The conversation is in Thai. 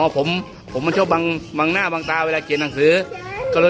ผมชอบบางหน้าบางตาเวลาเกียรติภาษาหนังสือ